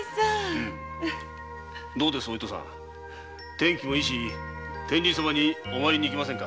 天気もいいし天神様にお参りに行きませんか。